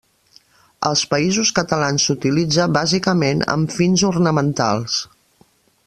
Als països catalans s'utilitza, bàsicament, amb fins ornamentals.